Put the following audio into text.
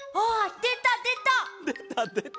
でたでた！